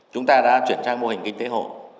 chúng ta đã chuyển sang mô hình kinh tế hộ